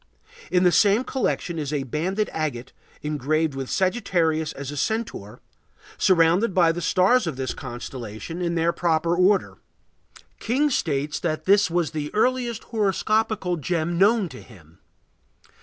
In the same collection is a banded agate engraved with Sagittarius as a centaur, surrounded by the stars of this constellation in their proper order. King states that this was the earliest horoscopical gem known to him.